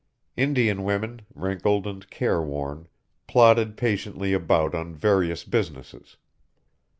Indian women, wrinkled and careworn, plodded patiently about on various businesses.